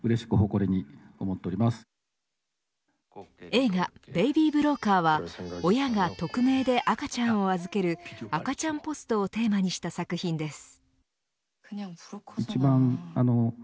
映画ベイビー・ブローカーは親が匿名で赤ちゃんを預ける赤ちゃんポストをテーマにした作品です。